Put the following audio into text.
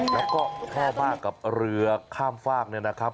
แล้วก็ท่อผ้ากับเรือข้ามฝากเนี่ยนะครับ